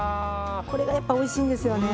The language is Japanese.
これがやっぱおいしいんですよね。